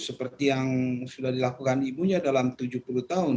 seperti yang sudah dilakukan ibunya dalam tujuh puluh tahun